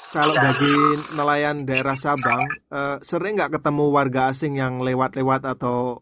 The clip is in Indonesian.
kalau bagi nelayan daerah sabang sering nggak ketemu warga asing yang lewat lewat atau